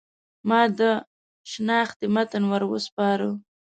ما د شنختې متن ور وسپاره.